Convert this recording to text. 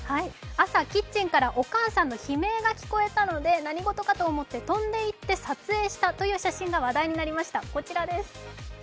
朝、キッチンからお母さんの悲鳴が聞こえたので何事かと思って飛んでいって撮影したという写真が話題になりました。